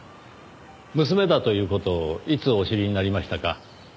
娘だという事をいつお知りになりましたか？